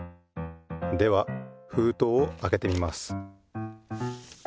ではふうとうをあけてみます。